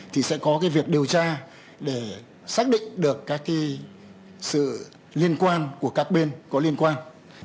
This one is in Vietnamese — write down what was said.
thì sẽ có cái việc điều tra để xác định được các sự liên quan của các bên có liên quan